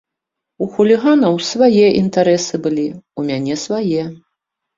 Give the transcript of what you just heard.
У хуліганаў свае інтарэсы былі, у мяне свае.